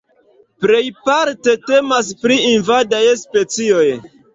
Plejparte temas pri invadaj specioj.